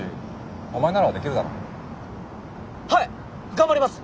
頑張ります！